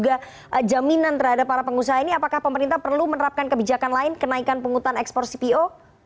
tapi untuk mengikat komitmen dan juga jaminan terhadap para pengusaha ini apakah pemerintah perlu menerapkan kebijakan lain kenaikan penghutang ekspor cpo